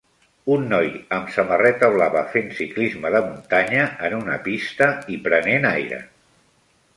Un noi amb samarreta blava fent ciclisme de muntanya en una pista i prenent aire.